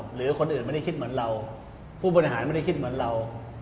หรือคนอื่นไม่ได้คิดเหมือนเราผู้บริหารไม่ได้คิดเหมือนเรา